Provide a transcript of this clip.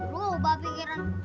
lu ubah pikiran